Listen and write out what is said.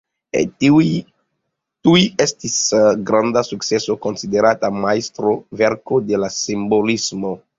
Tuj estis granda sukceso, konsiderata majstroverko de la simbolismo.